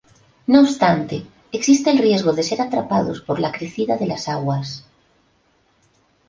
No obstante existe el riesgo de ser atrapados por la crecida de las aguas.